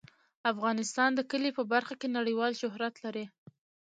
افغانستان د کلي په برخه کې نړیوال شهرت لري.